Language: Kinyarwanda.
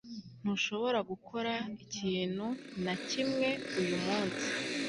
ntushobora gukora ikintu na kimwe uyu munsi